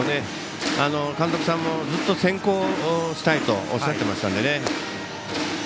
監督さんもずっと先行したいとおっしゃっていましたのでね。